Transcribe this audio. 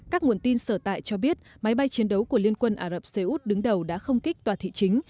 các nguồn tin sở tại cho biết máy bay chiến đấu của liên quân ả rập xê út đứng đầu đã không kích tòa thị chính